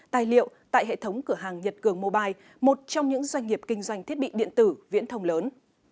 tài liệu tại hệ thống cửa hàng nhật cường mobile một trong những doanh nghiệp kinh doanh thiết bị điện tử viễn thông lớn